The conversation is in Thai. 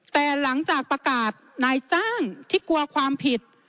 แต่หลังจากประกาศนายจ้างที่กลัวความผิด